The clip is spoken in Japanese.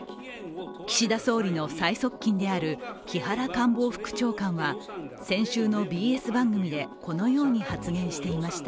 岸田総理の最側近である木原官房副長官は先週のＢＳ番組でこのように発言していました。